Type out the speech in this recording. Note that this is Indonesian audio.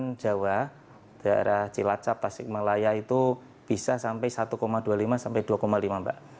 di kawasan jawa daerah cilacap tasik malaya itu bisa sampai satu dua puluh lima sampai dua lima mbak